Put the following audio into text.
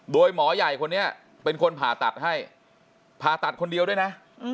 โดยหมอใหญ่คนนี้เป็นคนผ่าตัดให้ผ่าตัดคนเดียวด้วยนะ